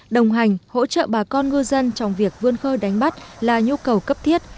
đồng hành hỗ trợ bà con ngư dân trong việc vươn khơi đánh bắt là nhu cầu cấp thiết